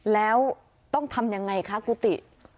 แล้วต้องทำยังไงคะกุฏิ